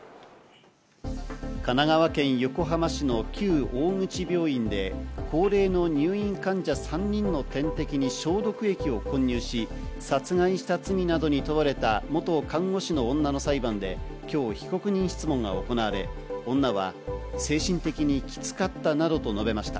神奈川県横浜市の旧大口病院で高齢の入院患者３人の点滴に消毒液を混入し殺害した罪などに問われた元看護師の女の裁判で今日、被告人質問が行われ女は精神的にきつかったなどと述べました。